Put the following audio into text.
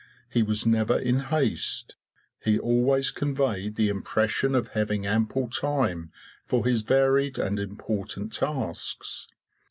He was never in haste; he always conveyed the impression of having ample time for his varied and important tasks.